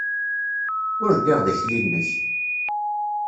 Ur lliɣ d akli-nnek!